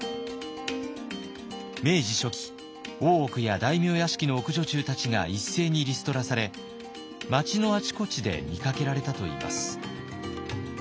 明治初期大奥や大名屋敷の奥女中たちが一斉にリストラされ町のあちこちで見かけられたといいます。